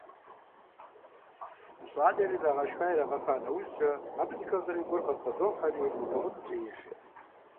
ЩӀалэр ирагъэшха-ирагъэфа нэужькӀэ, абы зы хэгъэрей гуэр къыбгъэдохьэри лэгъунэмкӀэ ешэ.